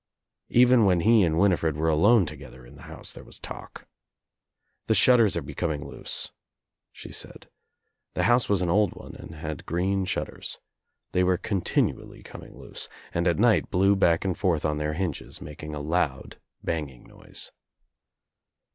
Even when he and Winifred were alone together in the house there was talk. "The shutters are becoming loose," she said. The house was an old one and had green shutters. They were continually coming loose and at night blew back and forth on their hinges making a loud banging noise.